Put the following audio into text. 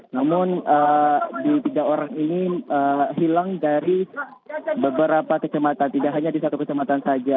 namun di tiga orang ini hilang dari beberapa kecamatan tidak hanya di satu kecamatan saja